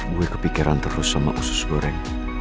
gue kepikiran terus sama usus goreng